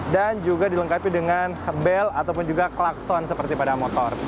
dan juga dilengkapi dengan bel ataupun juga klakson seperti pada motor